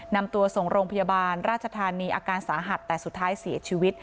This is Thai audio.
นำตัวส่งโรงพยาบาลราชธานีอาการสาหัสแต่สุดท้ายเสียชีวิต